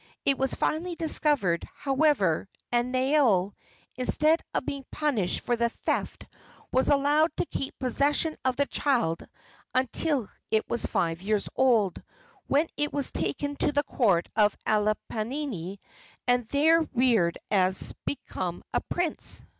It was finally discovered, however, and Naeole, instead of being punished for the theft, was allowed to keep possession of the child until it was five years old, when it was taken to the court of Alapainui and there reared as became a prince.